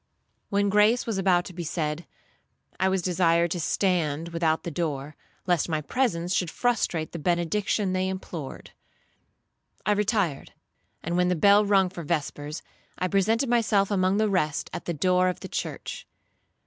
When grace was about to be said, I was desired to stand without the door, lest my presence should frustrate the benediction they implored. 'I retired, and when the bell rung for vespers, I presented myself among the rest at the door of the church.